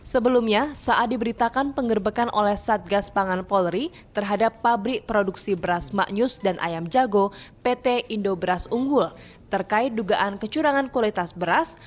sebelumnya saat diberitakan pengerbekan oleh satgas pangan polri terhadap pabrik produksi beras maknyus dan ayam jago pt indo beras unggul terkait dugaan kecurangan kualitas beras